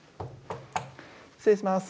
失礼します。